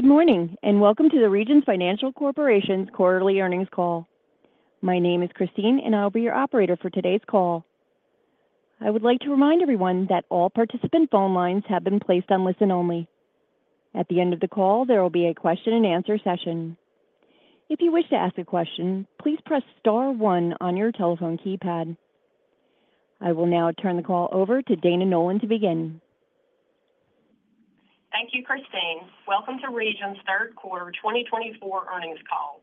Good morning, and welcome to the Regions Financial Corporation's quarterly earnings call. My name is Christine, and I'll be your operator for today's call. I would like to remind everyone that all participant phone lines have been placed on listen only. At the end of the call, there will be a question and answer session. If you wish to ask a question, please press star one on your telephone keypad. I will now turn the call over to Dana Nolan to begin. Thank you, Christine. Welcome to Regions third quarter 2024 Earnings Call.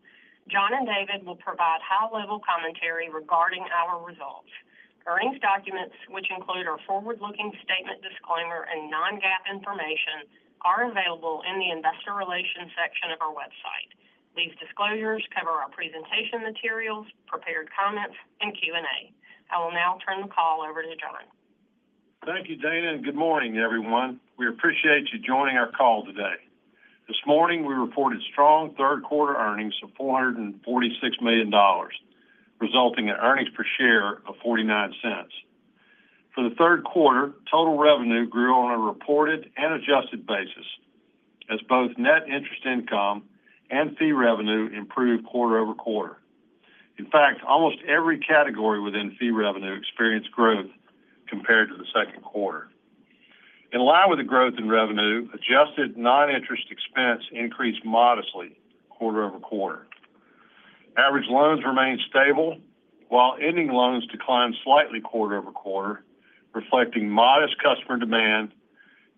John and David will provide high-level commentary regarding our results. Earnings documents, which include our forward-looking statement disclaimer and non-GAAP information, are available in the Investor Relations section of our website. These disclosures cover our presentation materials, prepared comments, and Q&A. I will now turn the call over to John. Thank you, Dana, and good morning, everyone. We appreciate you joining our call today. This morning, we reported strong third quarter earnings of $446 million, resulting in earnings per share of $0.49. For the third quarter, total revenue grew on a reported and adjusted basis, as both net interest income and fee revenue improved quarter over quarter. In fact, almost every category within fee revenue experienced growth compared to the second quarter. In line with the growth in revenue, adjusted non-interest expense increased modestly quarter over quarter. Average loans remained stable, while ending loans declined slightly quarter over quarter, reflecting modest customer demand,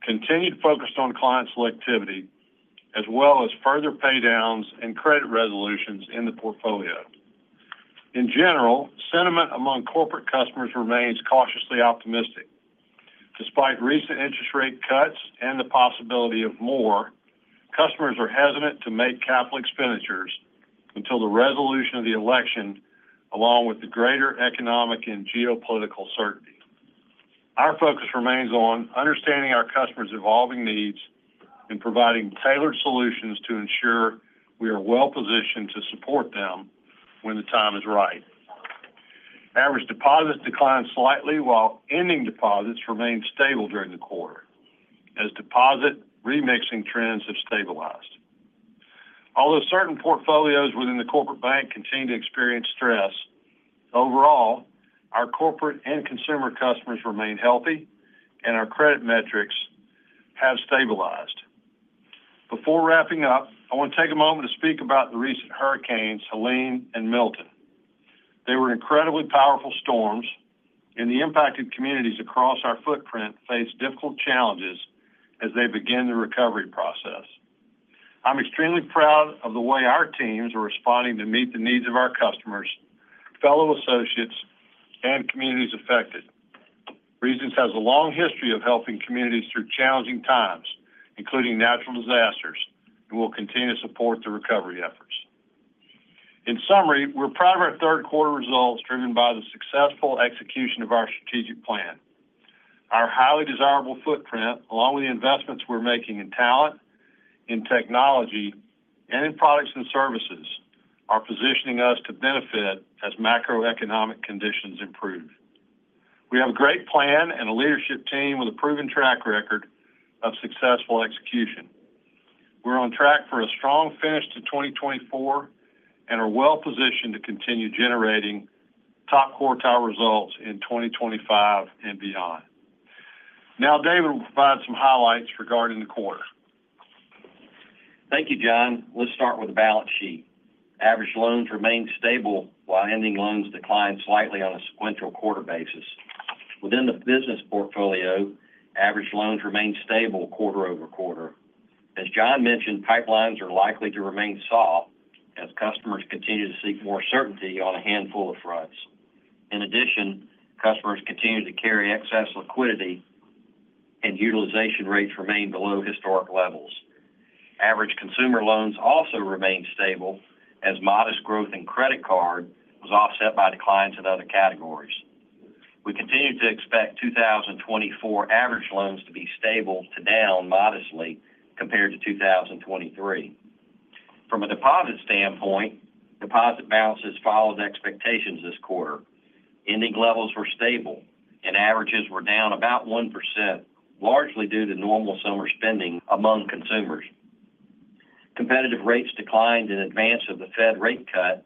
continued focus on client selectivity, as well as further paydowns and credit resolutions in the portfolio. In general, sentiment among corporate customers remains cautiously optimistic. Despite recent interest rate cuts and the possibility of more, customers are hesitant to make capital expenditures until the resolution of the election, along with the greater economic and geopolitical certainty. Our focus remains on understanding our customers' evolving needs and providing tailored solutions to ensure we are well positioned to support them when the time is right. Average deposits declined slightly, while ending deposits remained stable during the quarter, as deposit remixing trends have stabilized. Although certain portfolios within the Corporate Bank continue to experience stress, overall, our corporate and consumer customers remain healthy and our credit metrics have stabilized. Before wrapping up, I want to take a moment to speak about the recent hurricanes, Helene and Milton. They were incredibly powerful storms, and the impacted communities across our footprint face difficult challenges as they begin the recovery process. I'm extremely proud of the way our teams are responding to meet the needs of our customers, fellow associates, and communities affected. Regions has a long history of helping communities through challenging times, including natural disasters, and we'll continue to support the recovery efforts. In summary, we're proud of our third quarter results, driven by the successful execution of our strategic plan. Our highly desirable footprint, along with the investments we're making in talent, in technology, and in products and services, are positioning us to benefit as macroeconomic conditions improve. We have a great plan and a leadership team with a proven track record of successful execution. We're on track for a strong finish to 2024 and are well positioned to continue generating top quartile results in 2025 and beyond. Now, David will provide some highlights regarding the quarter. Thank you, John. Let's start with the balance sheet. Average loans remained stable, while ending loans declined slightly on a sequential quarter basis. Within the business portfolio, average loans remained stable quarter over quarter. As John mentioned, pipelines are likely to remain soft as customers continue to seek more certainty on a handful of fronts. In addition, customers continued to carry excess liquidity and utilization rates remained below historic levels. Average consumer loans also remained stable, as modest growth in credit card was offset by declines in other categories. We continued to expect 2024 average loans to be stable to down modestly compared to 2023. From a deposit standpoint, deposit balances followed expectations this quarter. Ending levels were stable and averages were down about 1%, largely due to normal summer spending among consumers. Competitive rates declined in advance of the Fed rate cut,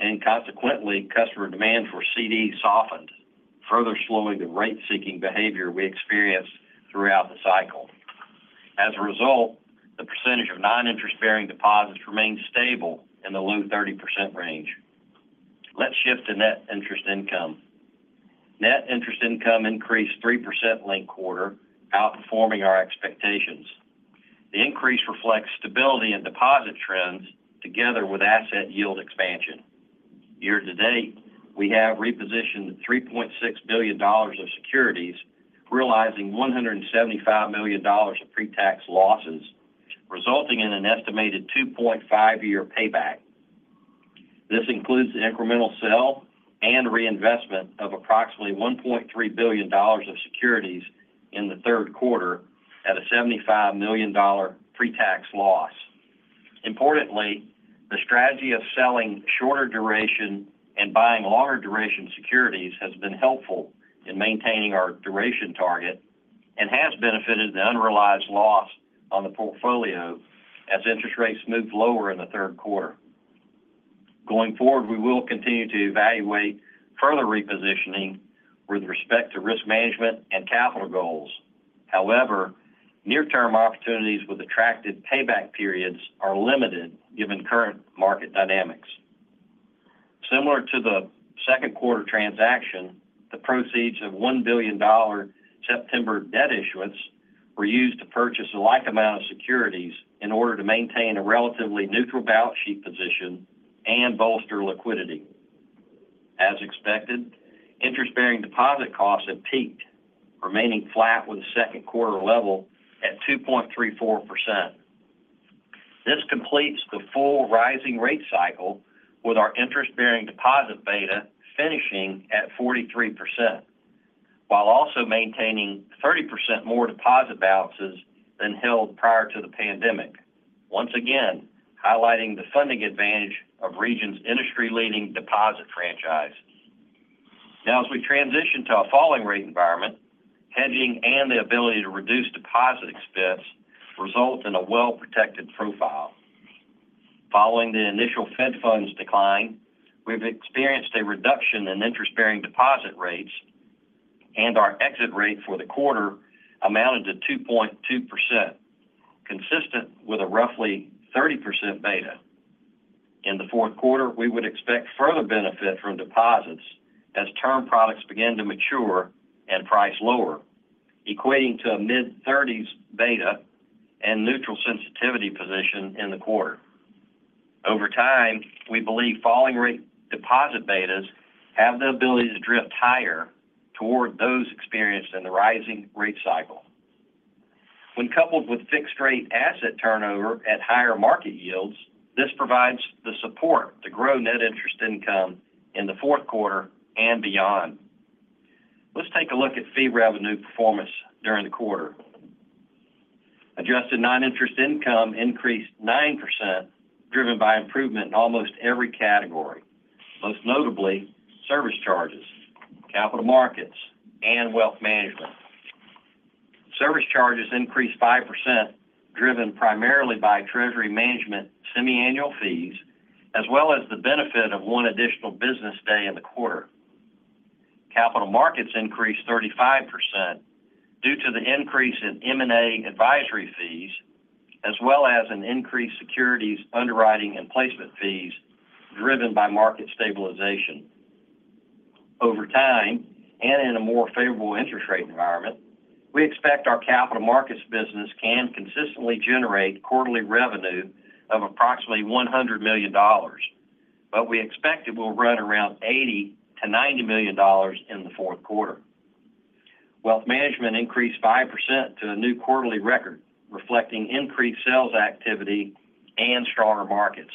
and consequently, customer demand for CDs softened, further slowing the rate-seeking behavior we experienced throughout the cycle. As a result, the percentage of non-interest bearing deposits remained stable in the low 30% range. Let's shift to net interest income. Net interest income increased 3% last quarter, outperforming our expectations. The increase reflects stability in deposit trends together with asset yield expansion. Year to date, we have repositioned $3.6 billion of securities, realizing $175 million of pre-tax losses, resulting in an estimated 2.5-year payback. This includes an incremental sale and reinvestment of approximately $1.3 billion of securities in the third quarter at a $75 million pre-tax loss.... Importantly, the strategy of selling shorter duration and buying longer duration securities has been helpful in maintaining our duration target and has benefited the unrealized loss on the portfolio as interest rates moved lower in the third quarter. Going forward, we will continue to evaluate further repositioning with respect to risk management and capital goals. However, near-term opportunities with attractive payback periods are limited given current market dynamics. Similar to the second quarter transaction, the proceeds of $1 billion September debt issuance were used to purchase a like amount of securities in order to maintain a relatively neutral balance sheet position and bolster liquidity. As expected, interest-bearing deposit costs have peaked, remaining flat with the second quarter level at 2.34%. This completes the full rising rate cycle, with our interest-bearing deposit beta finishing at 43%, while also maintaining 30% more deposit balances than held prior to the pandemic. Once again, highlighting the funding advantage of Regions' industry-leading deposit franchise. Now, as we transition to a falling rate environment, hedging and the ability to reduce deposit expense result in a well-protected profile. Following the initial Fed funds decline, we've experienced a reduction in interest-bearing deposit rates, and our exit rate for the quarter amounted to 2.2%, consistent with a roughly 30% beta. In the fourth quarter, we would expect further benefit from deposits as term products begin to mature and price lower, equating to a mid-30s % beta and neutral sensitivity position in the quarter. Over time, we believe falling rate deposit betas have the ability to drift higher toward those experienced in the rising rate cycle. When coupled with fixed rate asset turnover at higher market yields, this provides the support to grow net interest income in the fourth quarter and beyond. Let's take a look at fee revenue performance during the quarter. Adjusted non-interest income increased 9%, driven by improvement in almost every category, most notably service charges, Capital Markets, and Wealth Management. Service charges increased 5%, driven primarily by Treasury Management semiannual fees, as well as the benefit of one additional business day in the quarter. Capital Markets increased 35% due to the increase in M&A advisory fees, as well as an increased securities underwriting and placement fees driven by market stabilization. Over time, and in a more favorable interest rate environment, we expect our Capital Markets business can consistently generate quarterly revenue of approximately $100 million, but we expect it will run around $80-$90 million in the fourth quarter. Wealth Management increased 5% to a new quarterly record, reflecting increased sales activity and stronger markets.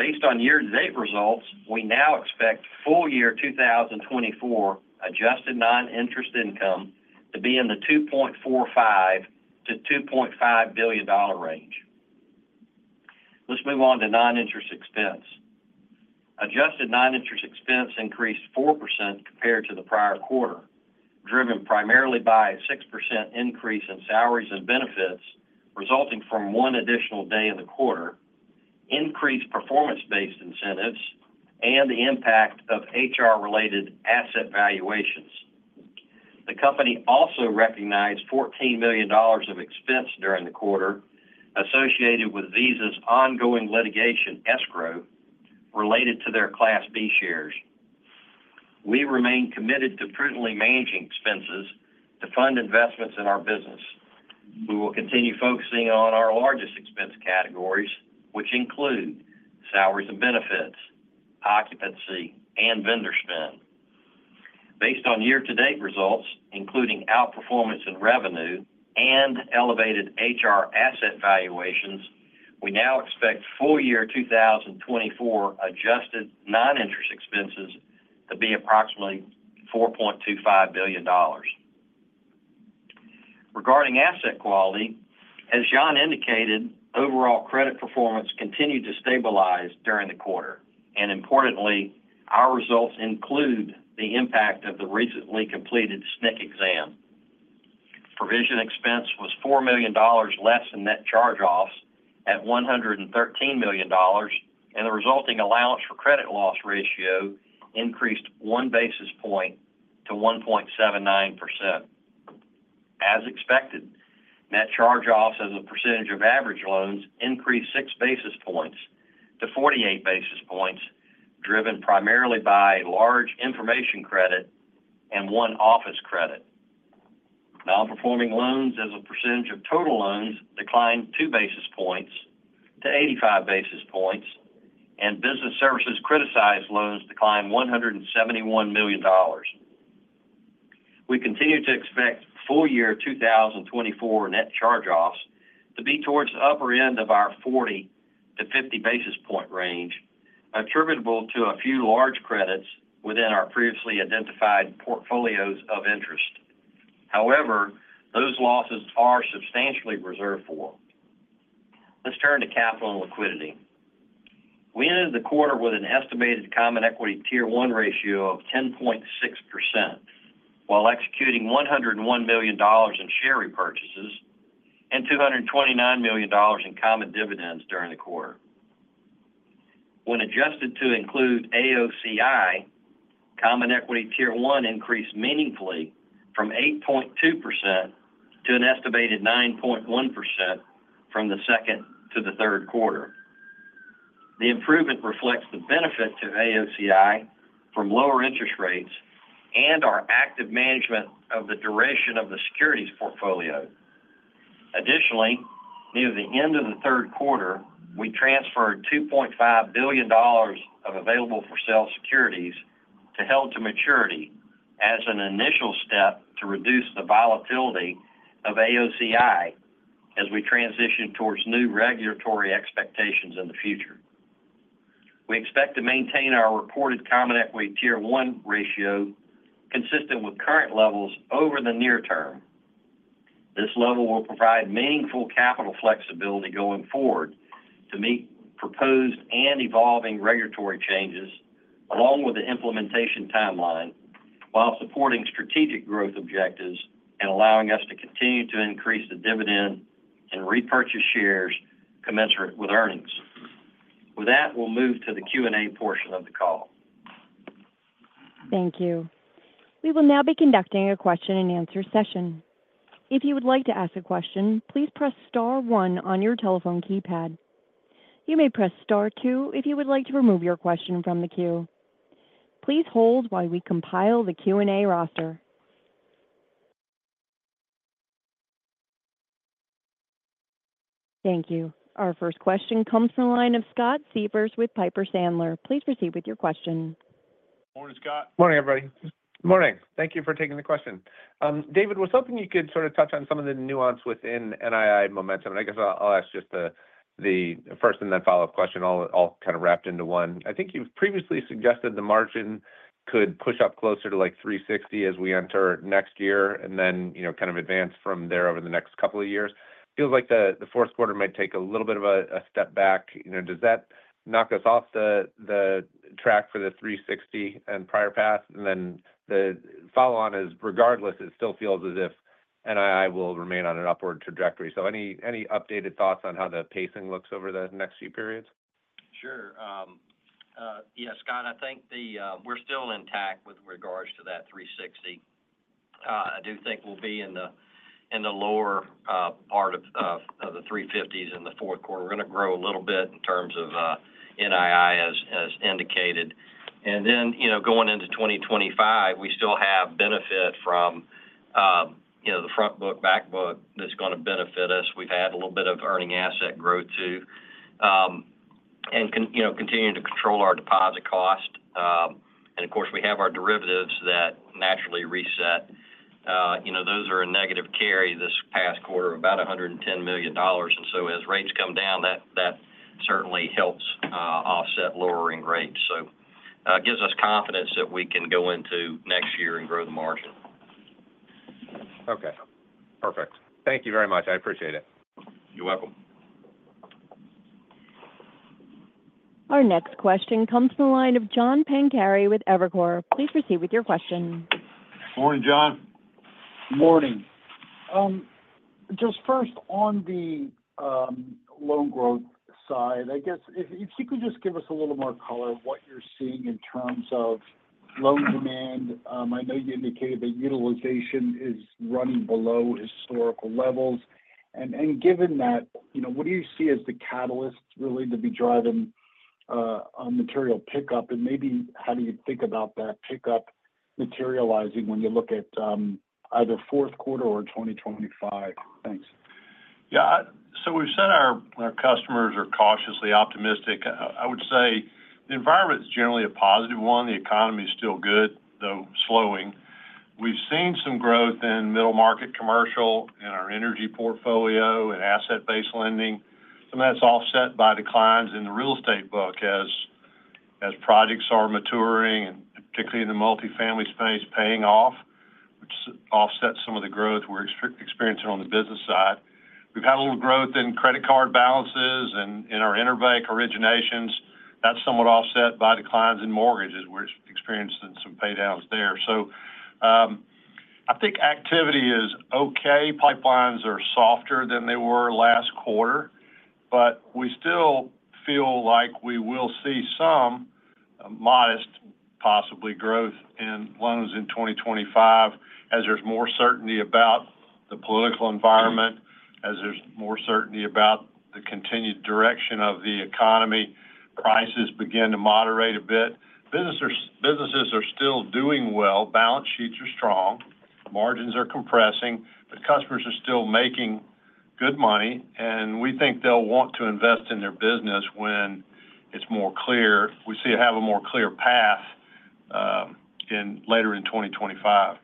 Based on year-to-date results, we now expect full year 2024 adjusted non-interest income to be in the $2.45-$2.5 billion range. Let's move on to non-interest expense. Adjusted non-interest expense increased 4% compared to the prior quarter, driven primarily by a 6% increase in salaries and benefits, resulting from one additional day in the quarter, increased performance-based incentives, and the impact of HR-related asset valuations. The company also recognized $14 million of expense during the quarter associated with Visa's ongoing litigation escrow related to their Class B shares. We remain committed to prudently managing expenses to fund investments in our business. We will continue focusing on our largest expense categories, which include salaries and benefits, occupancy, and vendor spend. Based on year-to-date results, including outperformance in revenue and elevated higher asset valuations, we now expect full year 2024 adjusted non-interest expenses to be approximately $4.25 billion. Regarding asset quality, as John indicated, overall credit performance continued to stabilize during the quarter, and importantly, our results include the impact of the recently completed SNC exam. Provision expense was $4 million less than net charge-offs at $113 million, and the resulting allowance for credit loss ratio increased one basis point to 1.79%. As expected, net charge-offs as a percentage of average loans increased six basis points to 48 basis points, driven primarily by large institutional credit and one office credit. Nonperforming loans as a percentage of total loans declined two basis points to 85 basis points, and Business Services criticized loans declined $171 million. We continue to expect full-year 2024 net charge-offs to be towards the upper end of our 40- to 50-basis-point range, attributable to a few large credits within our previously identified portfolios of interest.... However, those losses are substantially reserved for. Let's turn to capital and liquidity. We ended the quarter with an estimated Common Equity Tier 1 ratio of 10.6%, while executing $101 million in share repurchases and $229 million in common dividends during the quarter. When adjusted to include AOCI, Common Equity Tier 1 increased meaningfully from 8.2% to an estimated 9.1% from the second to the third quarter. The improvement reflects the benefit to AOCI from lower interest rates and our active management of the duration of the securities portfolio. Additionally, near the end of the third quarter, we transferred $2.5 billion of available-for-sale securities to held-to-maturity as an initial step to reduce the volatility of AOCI as we transition towards new regulatory expectations in the future. We expect to maintain our reported Common Equity Tier 1 ratio, consistent with current levels over the near term. This level will provide meaningful capital flexibility going forward to meet proposed and evolving regulatory changes, along with the implementation timeline, while supporting strategic growth objectives and allowing us to continue to increase the dividend and repurchase shares commensurate with earnings. With that, we'll move to the Q&A portion of the call. Thank you. We will now be conducting a question-and-answer session. If you would like to ask a question, please press star one on your telephone keypad. You may press star two if you would like to remove your question from the queue. Please hold while we compile the Q&A roster. Thank you. Our first question comes from the line of Scott Siefers with Piper Sandler. Please proceed with your question. Morning, Scott. Morning, everybody. Morning. Thank you for taking the question. David, I was hoping you could sort of touch on some of the nuance within NIB momentum, and I guess I'll ask just the first and then follow-up question all kind of wrapped into one. I think you've previously suggested the margin could push up closer to, like, 3.60% as we enter next year, and then, you know, kind of advance from there over the next couple of years. Feels like the fourth quarter might take a little bit of a step back. You know, does that knock us off the track for the 3.60% and prior path? And then the follow on is, regardless, it still feels as if NIB will remain on an upward trajectory, so any updated thoughts on how the pacing looks over the next few periods? Sure. Yeah, Scott, I think the, we're still intact with regards to that 3.60%. I do think we'll be in the lower part of the 3.50% in the fourth quarter. We're gonna grow a little bit in terms of, NIB, as indicated. And then, you know, going into 2025, we still have benefit from, you know, the front book, back book that's gonna benefit us. We've had a little bit of earning asset growth, too, and you know, continuing to control our deposit cost. And of course, we have our derivatives that naturally reset. You know, those are a negative carry this past quarter, about $110 million. And so as rates come down, that certainly helps, offset lowering rates. It gives us confidence that we can go into next year and grow the margin. Okay, perfect. Thank you very much. I appreciate it. You're welcome. Our next question comes from the line of John Pankari with Evercore. Please proceed with your question. Morning, John. Morning. Just first, on the loan growth side, I guess if you could just give us a little more color of what you're seeing in terms of loan demand. I know you indicated that utilization is running below historical levels. Given that, you know, what do you see as the catalyst really to be driving a material pickup? And maybe how do you think about that pickup materializing when you look at either fourth quarter or 2025? Thanks. Yeah. So we've said our customers are cautiously optimistic. I would say the environment is generally a positive one. The economy is still good, though slowing. We've seen some growth in middle-market commercial, in our energy portfolio, and asset-based lending. Some of that's offset by declines in the real estate book as projects are maturing, and particularly in the multifamily space, paying off, which offsets some of the growth we're experiencing on the business side. We've had a little growth in credit card balances and in our EnerBank originations. That's somewhat offset by declines in mortgages. We're experiencing some paydowns there. So, I think activity is okay. Pipelines are softer than they were last quarter, but we still feel like we will see some modest, possibly growth in loans in 2025, as there's more certainty about the political environment, as there's more certainty about the continued direction of the economy, prices begin to moderate a bit. Businesses, businesses are still doing well, balance sheets are strong, margins are compressing, but customers are still making good money, and we think they'll want to invest in their business when it's more clear. We see it have a more clear path in later 2025.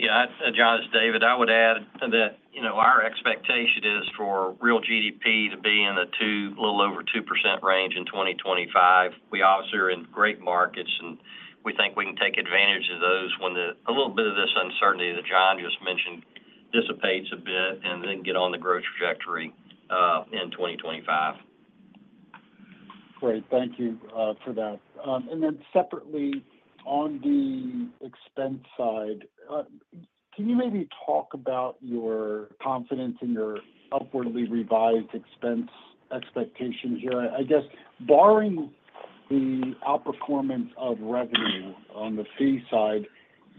Yeah, John, it's David. I would add that, you know, our expectation is for real GDP to be in the two, little over two percent range in 2025. We obviously are in great markets, and we think we can take advantage of those when a little bit of this uncertainty that John just mentioned dissipates a bit and then get on the growth trajectory in 2025. Great. Thank you for that and then separately, on the expense side, can you maybe talk about your confidence in your upwardly revised expense expectations here? I guess barring the outperformance of revenue on the fee side,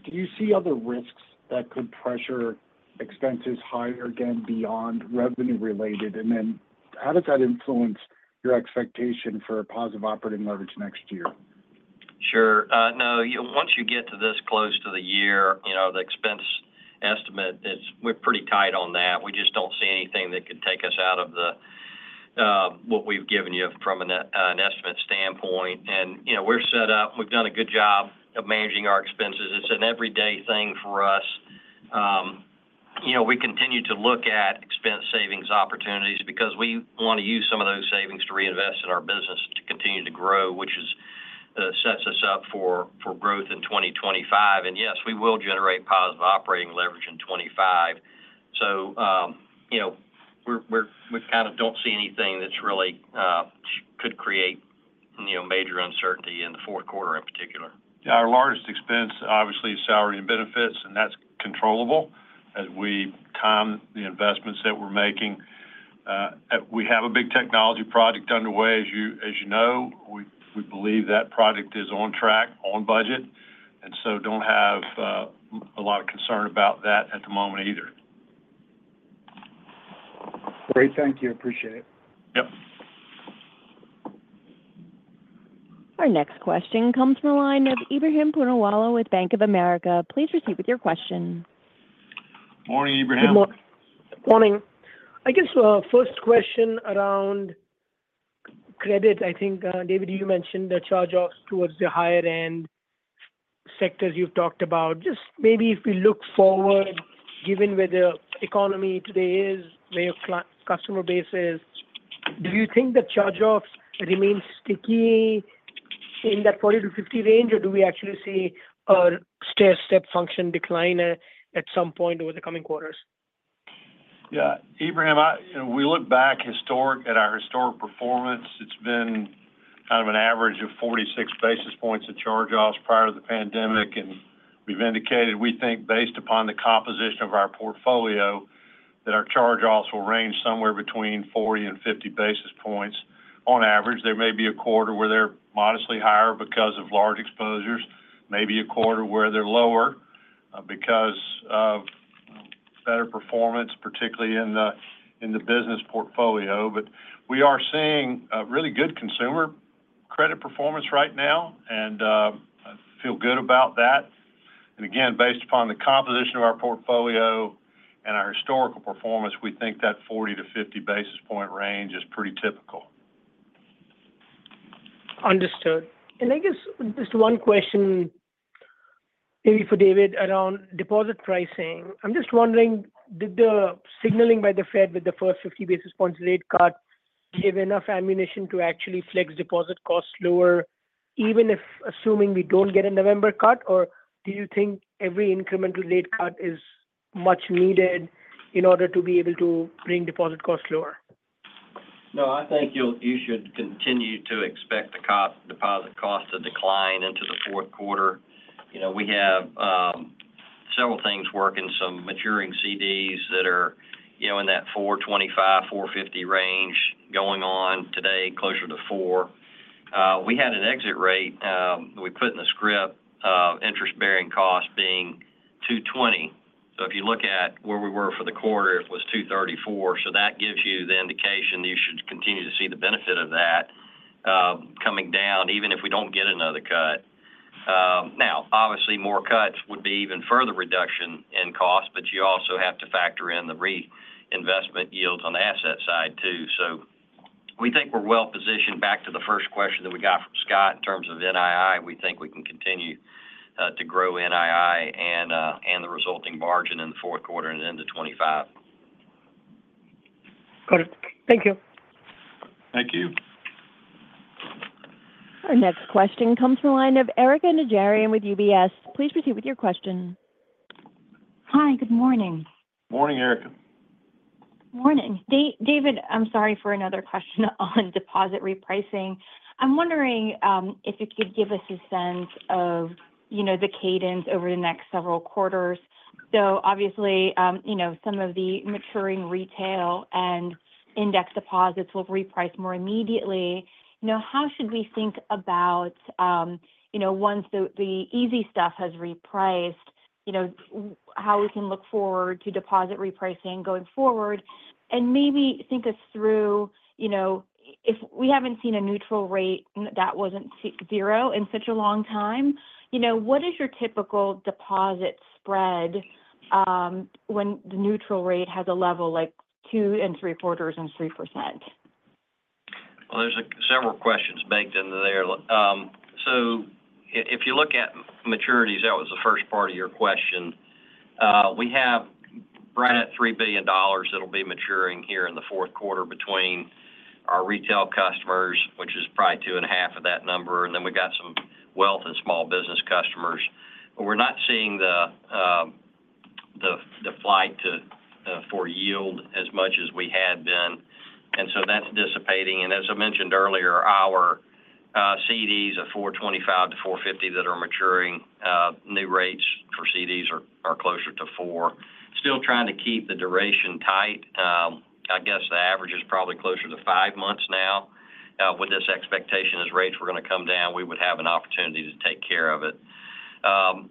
do you see other risks that could pressure expenses higher, again, beyond revenue-related? And then how does that influence your expectation for a positive operating leverage next year? Sure. No, you know, once you get to this close to the year, you know, the expense estimate is. We're pretty tight on that. We just don't see anything that could take us out of the what we've given you from an estimate standpoint, and you know, we're set up. We've done a good job of managing our expenses. It's an everyday thing for us. You know, we continue to look at expense savings opportunities because we want to use some of those savings to reinvest in our business to continue to grow, which sets us up for growth in 2025, and yes, we will generate positive operating leverage in 2025, so you know, we kind of don't see anything that's really could create, you know, major uncertainty in the fourth quarter in particular. Yeah, our largest expense, obviously, is salary and benefits, and that's controllable as we time the investments that we're making. We have a big technology project underway, as you know. We believe that project is on track, on budget, and so don't have a lot of concern about that at the moment either. Great. Thank you. Appreciate it. Yep. Our next question comes from the line of Ibrahim Poonawala with Bank of America. Please proceed with your question. Morning, Ibrahim. Good morning. I guess, first question around credit. I think, David, you mentioned the charge-offs towards the higher end sectors you've talked about. Just maybe if we look forward, given where the economy today is, where your customer base is, do you think the charge-offs remain sticky in that forty to fifty range, or do we actually see a stairstep function decline at some point over the coming quarters? Yeah, Ibrahim, I when we look back historically, at our historic performance, it's been kind of an average of forty-six basis points of charge-offs prior to the pandemic, and we've indicated, we think, based upon the composition of our portfolio, that our charge-offs will range somewhere between forty and fifty basis points on average. There may be a quarter where they're modestly higher because of large exposures, maybe a quarter where they're lower, because of better performance, particularly in the business portfolio. But we are seeing a really good consumer credit performance right now, and I feel good about that. And again, based upon the composition of our portfolio and our historical performance, we think that forty to fifty basis point range is pretty typical. Understood. And I guess just one question maybe for David around deposit pricing. I'm just wondering, did the signaling by the Fed with the first 50 basis points rate cut give enough ammunition to actually flex deposit costs lower, even if assuming we don't get a November cut? Or do you think every incremental rate cut is much needed in order to be able to bring deposit costs lower? No, I think you should continue to expect the cost, deposit costs to decline into the fourth quarter. You know, we have several things working, some maturing CDs that are, you know, in that 4.25-4.50 range, going on today, closer to four. We had an exit rate, we put in the script, of interest-bearing costs being 2.20. So if you look at where we were for the quarter, it was 2.34. So that gives you the indication that you should continue to see the benefit of that, coming down, even if we don't get another cut. Now, obviously, more cuts would be even further reduction in cost, but you also have to factor in the reinvestment yields on the asset side, too. So we think we're well positioned, back to the first question that we got from Scott, in terms of NIB. We think we can continue to grow NIB and the resulting margin in the fourth quarter and into 2025. Got it. Thank you. Thank you. Our next question comes from the line of Erika Najarian with UBS. Please proceed with your question. Hi, good morning. Morning, Erika. Morning. David, I'm sorry for another question on deposit repricing. I'm wondering, if you could give us a sense of, you know, the cadence over the next several quarters. So obviously, you know, some of the maturing retail and index deposits will reprice more immediately. You know, how should we think about, you know, once the easy stuff has repriced, you know, how we can look forward to deposit repricing going forward? And maybe walk us through, you know, if we haven't seen a neutral rate that wasn't zero in such a long time, you know, what is your typical deposit spread, when the neutral rate has a level like two and three-quarters and 3%? There are several questions baked into there. Like, so if you look at maturities, that was the first part of your question. We have right at $3 billion that'll be maturing here in the fourth quarter between our retail customers, which is probably two and a half of that number, and then we've got some wealth and small business customers. But we're not seeing the flight to yield as much as we had been, and so that's dissipating. And as I mentioned earlier, our CDs of 4.25%-4.50% that are maturing, new rates for CDs are closer to 4%. Still trying to keep the duration tight. I guess the average is probably closer to five months now, with this expectation as rates were going to come down, we would have an opportunity to take care of it.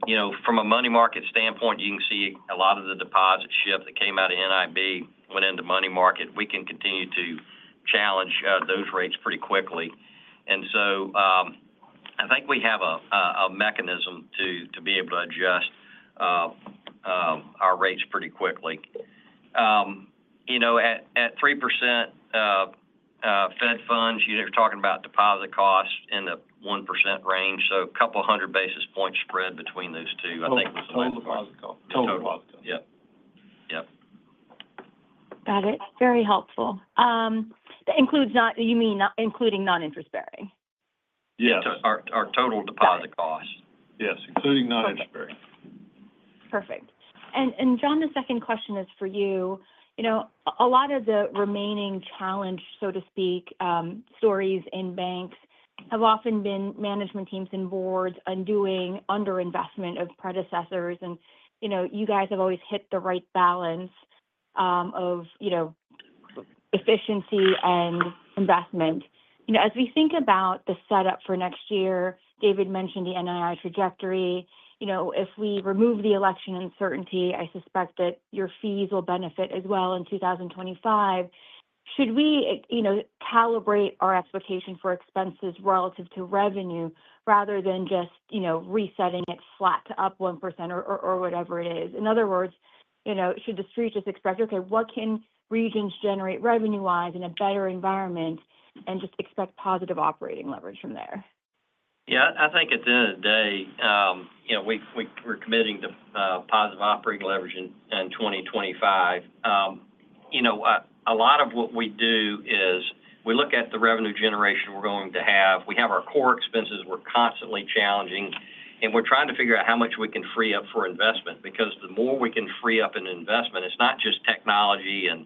You know, from a money market standpoint, you can see a lot of the deposit shift that came out of NIB went into money market. We can continue to challenge those rates pretty quickly. And so, I think we have a mechanism to be able to adjust our rates pretty quickly. You know, at 3%, Fed funds, you're talking about deposit costs in the 1% range, so a couple of hundred basis points spread between those two, I think was- Total deposit cost. Total deposit. Yep. Yep. Got it. Very helpful. That includes, you mean, including non-interest-bearing? Yes. Our total deposit costs. Got it. Yes, including non-interest-bearing. Perfect. And, John, the second question is for you. You know, a lot of the remaining challenge, so to speak, stories in banks have often been management teams and boards undoing underinvestment of predecessors. And, you know, you guys have always hit the right balance, of, you know, efficiency and investment. You know, as we think about the setup for next year, David mentioned the NIB trajectory. You know, if we remove the election uncertainty, I suspect that your fees will benefit as well in 2025. Should we, you know, calibrate our expectation for expenses relative to revenue rather than just, you know, resetting it flat to up 1% or whatever it is? In other words, you know, should the street just expect, okay, what can Regions generate revenue-wise in a better environment and just expect positive operating leverage from there? Yeah, I think at the end of the day, you know, we're committing to positive operating leverage in 2025. You know, a lot of what we do is we look at the revenue generation we're going to have. We have our core expenses we're constantly challenging, and we're trying to figure out how much we can free up for investment, because the more we can free up an investment, it's not just technology and,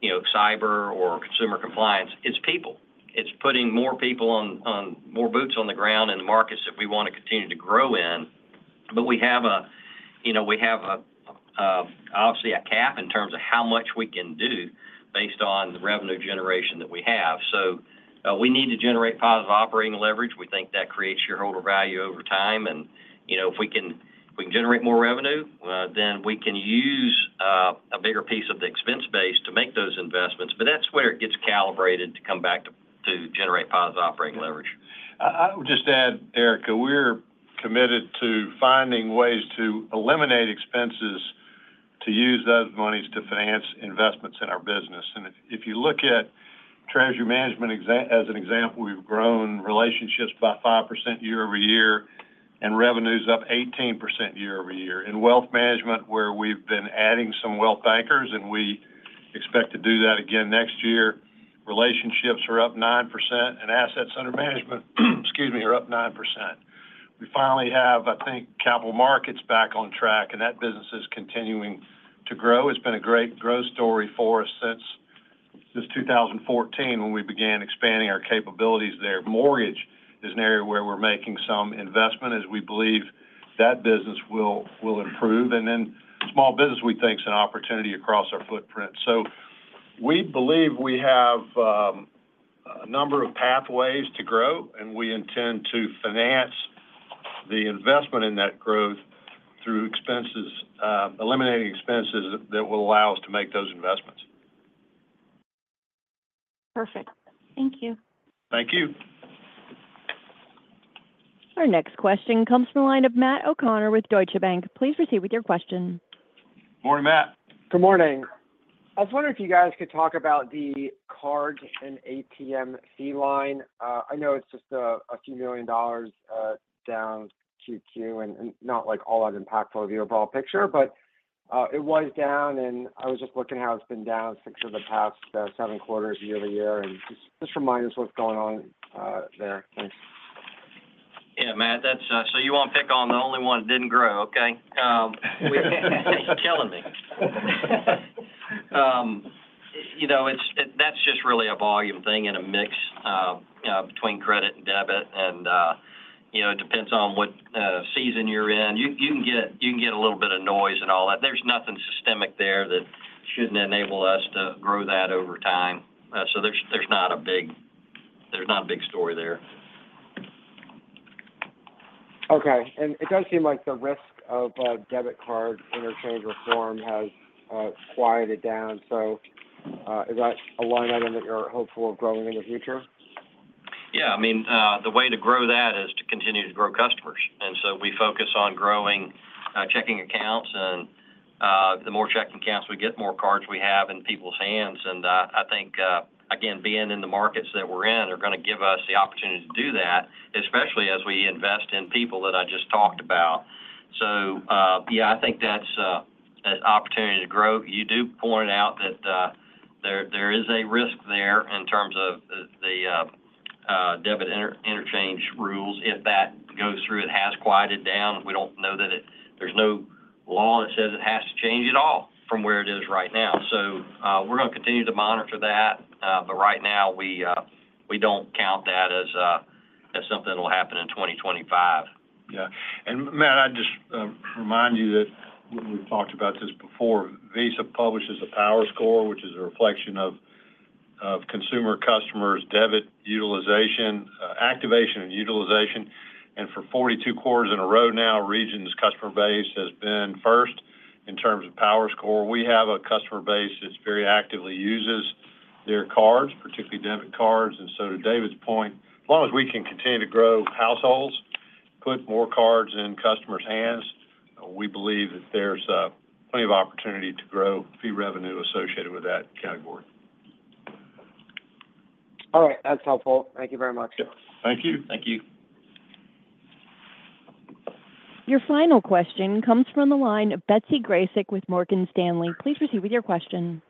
you know, cyber or consumer compliance, it's people. It's putting more people on more boots on the ground in the markets that we want to continue to grow in. But you know, we obviously have a cap in terms of how much we can do based on the revenue generation that we have. So, we need to generate positive operating leverage. We think that creates shareholder value over time, and, you know, if we can generate more revenue, then we can use a bigger piece of the expense base to make those investments. But that's where it gets calibrated to come back to generate positive operating leverage. I would just add, Erika, we're committed to finding ways to eliminate expenses, to use those monies to finance investments in our business. And if you look at Treasury Management as an example, we've grown relationships by 5% year-over-year, and revenue is up 18% year-over-year. In Wealth Management, where we've been adding some wealth anchors, and we expect to do that again next year, relationships are up 9%, and assets under management, excuse me, are up 9%. We finally have, I think, Capital Markets back on track, and that business is continuing to grow. It's been a great growth story for us since 2014, when we began expanding our capabilities there. Mortgage is an area where we're making some investment as we believe that business will improve. Then small business, we think, is an opportunity across our footprint. We believe we have a number of pathways to grow, and we intend to finance the investment in that growth through expenses, eliminating expenses that will allow us to make those investments. Perfect. Thank you. Thank you. Our next question comes from the line of Matt O'Connor with Deutsche Bank. Please proceed with your question. Morning, Matt. Good morning. I was wondering if you guys could talk about the card and ATM fee line. I know it's just a few million dollars down QoQ, and not, like, all that impactful of the overall picture, but it was down, and I was just looking how it's been down six of the past seven quarters, year-over-year, and just remind us what's going on there. Thanks. Yeah, Matt, that's. So you want to pick on the only one that didn't grow, okay? You're killing me. You know, that's just really a volume thing and a mix between credit and debit, and you know, it depends on what season you're in. You can get a little bit of noise and all that. There's nothing systemic there that shouldn't enable us to grow that over time. So there's not a big story there. Okay. And it does seem like the risk of debit card interchange reform has quieted down. So, is that a line item that you're hopeful of growing in the future? Yeah, I mean, the way to grow that is to continue to grow customers. And so we focus on growing checking accounts, and the more checking accounts we get, more cards we have in people's hands. And I think again, being in the markets that we're in are gonna give us the opportunity to do that, especially as we invest in people that I just talked about. So yeah, I think that's an opportunity to grow. You do point out that there is a risk there in terms of the debit interchange rules, if that goes through, it has quieted down. We don't know that it. There's no law that says it has to change at all from where it is right now. We're gonna continue to monitor that, but right now, we don't count that as something that will happen in 2025. Yeah. And Matt, I'd just remind you that we've talked about this before. Visa publishes a PowerScore, which is a reflection of consumer customers' debit utilization, activation and utilization. And for 42 quarters in a row now, Regions' customer base has been first in terms of PowerScore. We have a customer base that's very actively uses their cards, particularly debit cards. And so to David's point, as long as we can continue to grow households, put more cards in customers' hands, we believe that there's plenty of opportunity to grow fee revenue associated with that category. All right. That's helpful. Thank you very much. Yep. Thank you. Thank you. Your final question comes from the line of Betsy Graseck with Morgan Stanley. Please proceed with your question.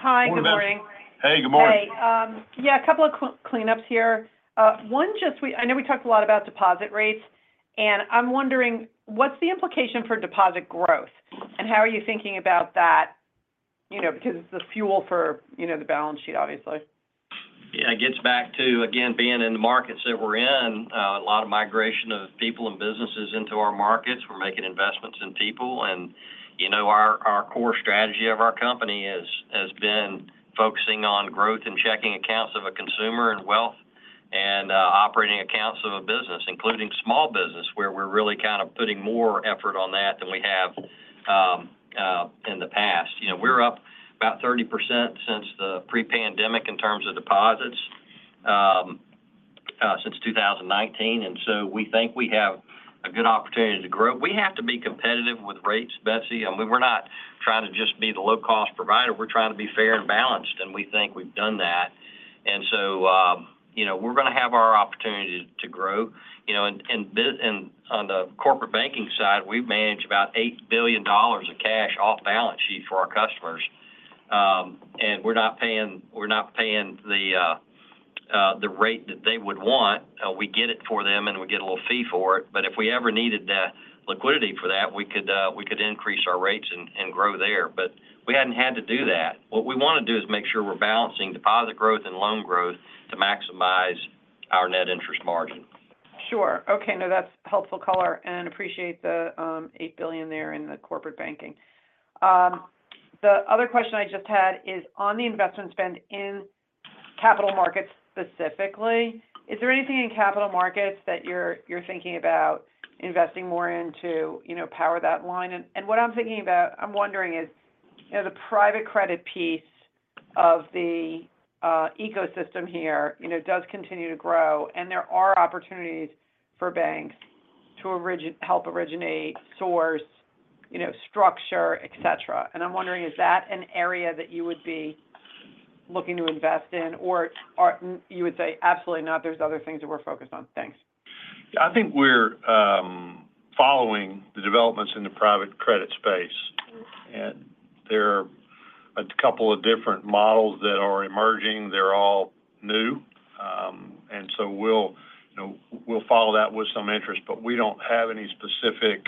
Hi, good morning. Hey, good morning. Hi. Yeah, a couple of cleanups here. One, just I know we talked a lot about deposit rates, and I'm wondering, what's the implication for deposit growth, and how are you thinking about that? You know, because it's the fuel for, you know, the balance sheet, obviously. Yeah, it gets back to, again, being in the markets that we're in, a lot of migration of people and businesses into our markets. We're making investments in people, and, you know, our, our core strategy of our company has, has been focusing on growth and checking accounts of a consumer and wealth and, operating accounts of a business, including small business, where we're really kind of putting more effort on that than we have, in the past. You know, we're up about 30% since the pre-pandemic in terms of deposits, since 2019, and so we think we have a good opportunity to grow. We have to be competitive with rates, Betsy. I mean, we're not trying to just be the low-cost provider. We're trying to be fair and balanced, and we think we've done that. And so, you know, we're gonna have our opportunity to grow. You know, on the corporate banking side, we manage about $8 billion of cash off balance sheet for our customers. And we're not paying, we're not paying the rate that they would want. We get it for them, and we get a little fee for it. But if we ever needed the liquidity for that, we could increase our rates and grow there, but we hadn't had to do that. What we wanna do is make sure we're balancing deposit growth and loan growth to maximize our net interest margin. Sure. Okay, now, that's helpful color, and I appreciate the eight billion there in the corporate banking. The other question I just had is on the investment spend in Capital Markets specifically, is there anything in Capital Markets that you're thinking about investing more into, you know, to power that line? And what I'm thinking about, I'm wondering is, you know, the private credit piece of the ecosystem here, you know, does continue to grow, and there are opportunities for banks to help originate, source, you know, structure, et cetera. And I'm wondering, is that an area that you would be looking to invest in, or you would say, absolutely not, there's other things that we're focused on? Thanks. I think we're following the developments in the private credit space, and there are a couple of different models that are emerging. They're all new, and so we'll, you know, we'll follow that with some interest, but we don't have any specific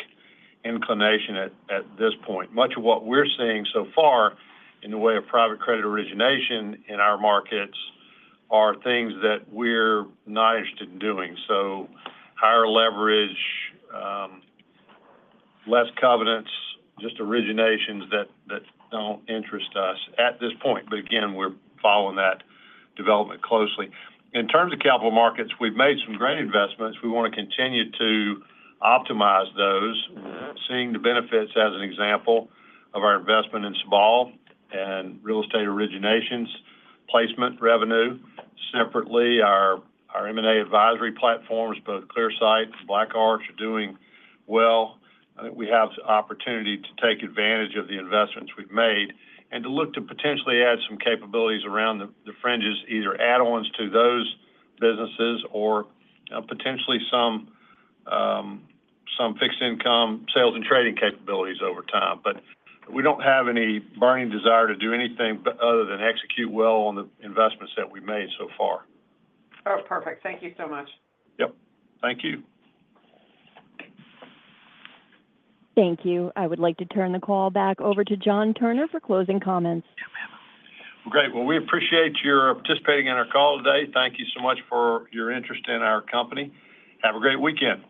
inclination at this point. Much of what we're seeing so far in the way of private credit origination in our markets are things that we're not interested in doing, so higher leverage, less covenants, just originations that don't interest us at this point, but again, we're following that development closely. In terms of Capital Markets, we've made some great investments. We want to continue to optimize those. Seeing the benefits as an example of our investment in Sabal and real estate originations, placement revenue. Separately, our M&A advisory platforms, both Clearsight and BlackArch, are doing well. I think we have the opportunity to take advantage of the investments we've made and to look to potentially add some capabilities around the fringes, either add-ons to those businesses or, potentially some fixed income sales and trading capabilities over time. But we don't have any burning desire to do anything but other than execute well on the investments that we've made so far. Oh, perfect. Thank you so much. Yep. Thank you. Thank you. I would like to turn the call back over to John Turner for closing comments. Great! Well, we appreciate your participating in our call today. Thank you so much for your interest in our company. Have a great weekend.